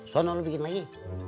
suara lu bikin lagi